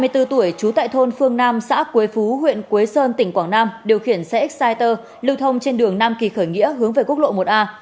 hai mươi bốn tuổi trú tại thôn phương nam xã quế phú huyện quế sơn tỉnh quảng nam điều khiển xe exciter lưu thông trên đường nam kỳ khởi nghĩa hướng về quốc lộ một a